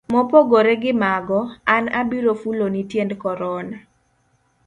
Mopogore gi mago, an abiro fulo ni tiend korona.